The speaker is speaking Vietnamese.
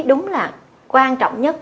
đúng là quan trọng nhất